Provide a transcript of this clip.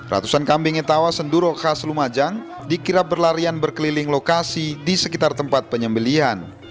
ratusan kambing yang tawa senduro khas lumajang di kirap berlarian berkeliling lokasi di sekitar tempat penyembelian